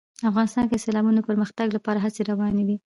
افغانستان کې د سیلابونو د پرمختګ لپاره هڅې روانې دي.